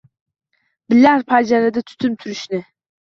Bilar panjarada tutib turishni.